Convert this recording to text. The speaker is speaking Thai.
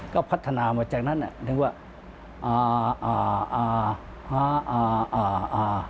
ก็พัฒนามาจากนั้นนะถึงว่าอ่าอ่าอ่าอ่าอ่าอ่าอ่า